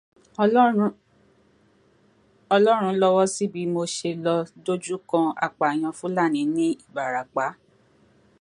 Ọlọ́run lọ́wọ́ sí bí mo ṣe lọ dojú kọ apààyàn Fúlàní ní Ìbàràpá.